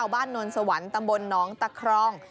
บ้านนอนสวรรค์ตำบลน้องตะครอง